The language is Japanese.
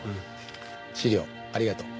資料ありがとう。